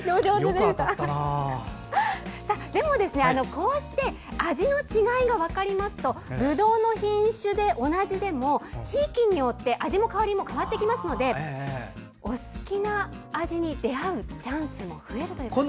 こうして味の違いが分かりますとぶどうの品種で同じでも地域によって味も香りも変わってきますのでお好きな味に出会うチャンスも増えるということです。